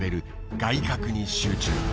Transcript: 外角に集中。